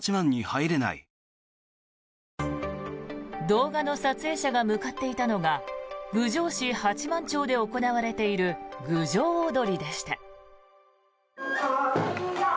動画の撮影者が向かっていたのは郡上市八幡町で行われている郡上おどりでした。